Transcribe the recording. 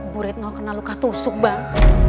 bu retno kena luka tusuk bang